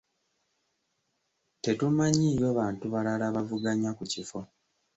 Tetumanyiiyo bantu balala bavuganya ku kifo.